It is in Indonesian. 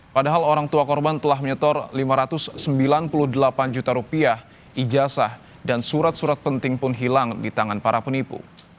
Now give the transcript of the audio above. padahal orang tua korban telah menyetor lima ratus sembilan puluh delapan juta rupiah ijazah dan surat surat penting pun hilang di tangan para penipu